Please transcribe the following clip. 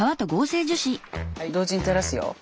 はい同時にたらすよ。